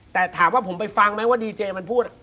แต่ถามว่าผมไปฟังไหมว่าดีเจมันพูด